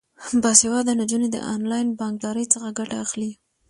باسواده نجونې د انلاین بانکدارۍ څخه ګټه اخلي.